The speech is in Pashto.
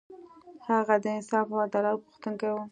هغه د انصاف او عدالت غوښتونکی و.